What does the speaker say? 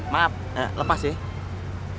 maaf lepas ya